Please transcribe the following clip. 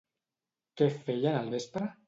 Què feien al vespre?